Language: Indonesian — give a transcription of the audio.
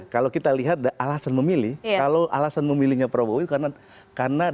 kalau kita lihat alasan memilih kalau alasan memilihnya prabowo itu karena dekat dengan ulama